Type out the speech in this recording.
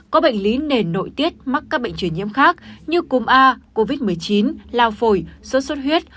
có bệnh lý nền nội tiết mắc các bệnh truyền nhiễm khác như cúm a covid một mươi chín lao phổi sốt xuất huyết